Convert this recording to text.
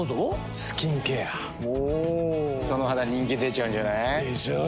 その肌人気出ちゃうんじゃない？でしょう。